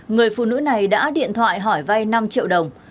người phụ nữ này đã điện thoại hỏi vay năm triệu đồng